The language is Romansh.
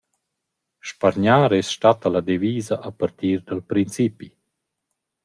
Spargnar es statta la devisa a partir dal principi.